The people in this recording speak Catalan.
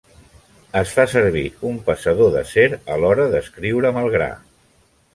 Es fa servir un passador d'acer a l'hora d'escriure amb el gra.